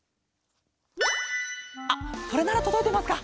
あっそれならとどいてますか？